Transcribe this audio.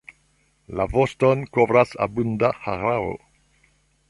La voston kovras abunda hararo.